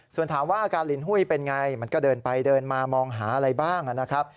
ส่วนถามว่าอาการลินหุ้ยเป็นไงมันก็เดินไปเดินมามองหาอะไรบ้างนะครับ